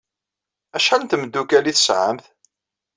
Acḥal n tmeddukal ay tesɛamt?